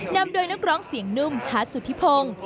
นำโดยนักร้องเสียงนุ่มคาร์สุธิพงศ์